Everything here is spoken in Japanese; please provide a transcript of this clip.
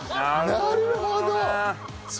なるほどね。